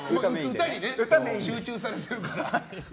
歌に集中させているからね。